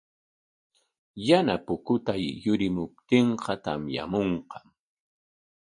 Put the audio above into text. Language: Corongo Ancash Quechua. Yana pukutay yurimuptinqa tamyamunqam.